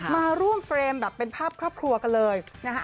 มาร่วมเฟรมแบบเป็นภาพครอบครัวกันเลยนะฮะ